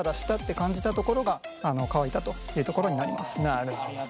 なるほど。